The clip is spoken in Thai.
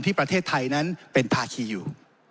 ประเทศไทยนั้นเป็นภาคีอยู่